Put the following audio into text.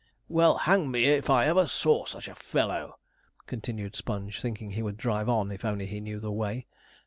'Well, hang me if ever I saw such a fellow!' continued Sponge, thinking he would drive on if he only knew the way.